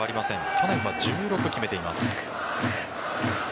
去年は１６決めています。